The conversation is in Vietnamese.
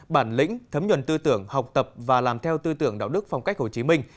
bản lĩnh thấm nhuận tư tưởng học tập và làm theo tư tưởng đạo đức phong cách hồ chí minh